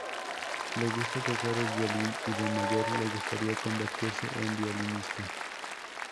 Le gusta tocar el violín y de mayor le gustaría convertirse en violinista.